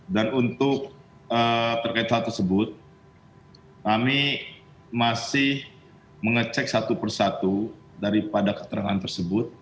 dan untuk terkait hal tersebut kami masih mengecek satu persatu daripada keterangan tersebut